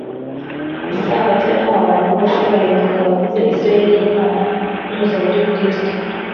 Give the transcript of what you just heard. isabato yahawe abantu bose bahinduka abagize isiraheli y’imana binyuze muri kristo